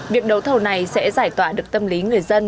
việc đấu thầu này sẽ giải tỏa được tâm lý người dân